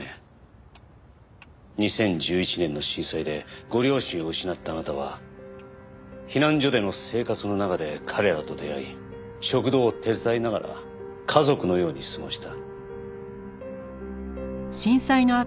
２０１１年の震災でご両親を失ったあなたは避難所での生活の中で彼らと出会い食堂を手伝いながら家族のように過ごした。